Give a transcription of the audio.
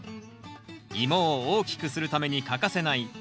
イモを大きくするために欠かせない高畝。